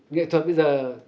nghệ thuật bây giờ